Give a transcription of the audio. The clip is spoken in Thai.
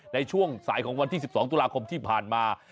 ในช่วงสายของวันที่๑๒ตุลาคมที่ผ่านมา